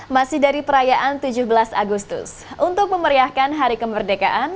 masih dari perayaan tujuh belas agustus untuk memeriahkan hari kemerdekaan